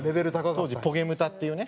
当時ポゲムタっていうね